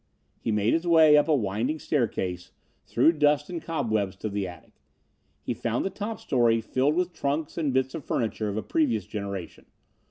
He made his way up a winding staircase, through dust and cobwebs to the attic. He found the top story filled with trunks and bits of furniture of a previous generation.